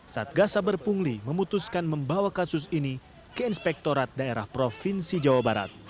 satgas saber pungli memutuskan membawa kasus ini ke inspektorat daerah provinsi jawa barat